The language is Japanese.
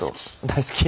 大好き？